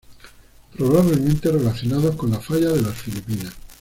Probablemente relacionados con la falla de las Filipinas.